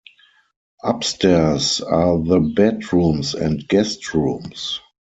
Upstairs are the bedrooms and guestrooms.